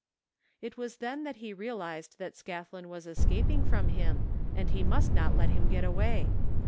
It was then that he realized that Scathlin was escaping from him and he must not let him get away.